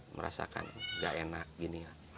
merasakan nggak enak gini